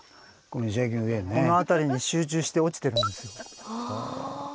この辺りに集中して落ちてるんですよ。